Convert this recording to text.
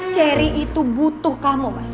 cherry itu butuh kamu mas